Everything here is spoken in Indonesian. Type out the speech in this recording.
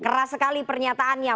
keras sekali pernyataannya